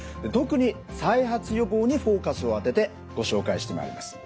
特に再発予防にフォーカスを当ててご紹介してまいります。